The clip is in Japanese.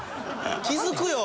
気付くよ。